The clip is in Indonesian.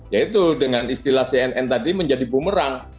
yaitu dengan istilah cnn tadi menjadi bumerang